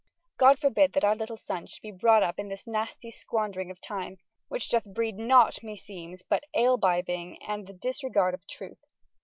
God forbidd that oure littel son sholde be brought uppe in this nastye squanderinge of tyme, wych doth breede nought (meseems) but ale bibbing and ye disregarde of truth.